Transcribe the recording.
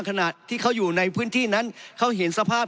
ขณะที่เขาอยู่ในพื้นที่นั้นเขาเห็นสภาพ